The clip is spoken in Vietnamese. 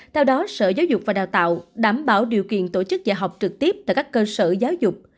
theo đó sở giáo dục và đào tạo đảm bảo điều kiện tổ chức dạy học trực tiếp tại các cơ sở giáo dục